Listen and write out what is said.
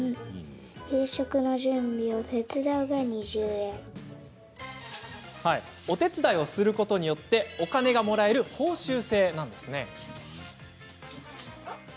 そう、お手伝いをすることによってお金がもらえる報酬制なんです。